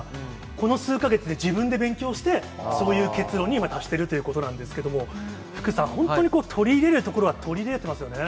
この数か月で自分で勉強して、そういう結論に今、達しているということなんですけども、福さん、本当に取り入れるところは取り入れてますよね。